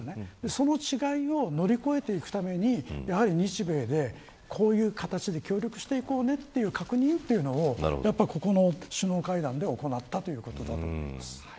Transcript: その違いを乗り越えていくためにやっぱり日米でこういう形で協力していこうねという確認というのをここの首脳会談で行ったということだと思います。